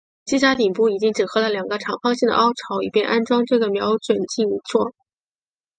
机匣顶部已经整合了两个长方形的凹槽以便安装这个瞄准镜座。